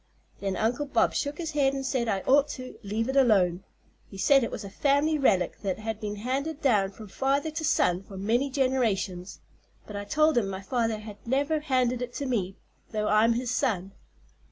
Then Uncle Bob shook his head an' said I ought to leave it alone. He said it was a fam'ly relic that had been handed down from father to son for many generations. But I told him my father had never handed it to me, though I'm his son.